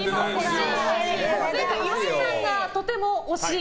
前回、岩井さんがとても惜しい。